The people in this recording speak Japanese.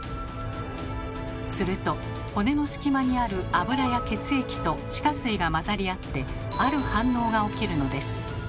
すると骨の隙間にある脂や血液と地下水が混ざり合ってある反応が起きるのです。